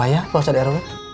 ada apa ya posen rw